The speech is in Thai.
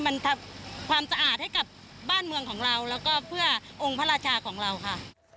มันทำความสะอาดให้กับบ้านเมืองของเราแล้วก็เพื่อองค์พระราชาของเราค่ะ